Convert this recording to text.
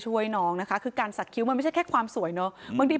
ช่วยน้องนะคะคือการสักคิ้วมันไม่ใช่แค่ความสวยเนอะบางที